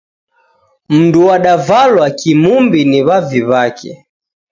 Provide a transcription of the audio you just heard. Mundu wadavalwa kimumbi ni w'avi w'ake